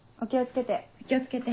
お気を付けて。